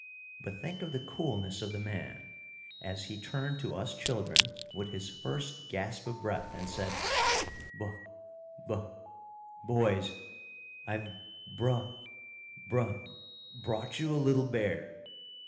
But think of the coolness of the man, as he turned to us children with his first gasp of breath, and said, "Bo bo boys, I've bro bro brought you a little bear!"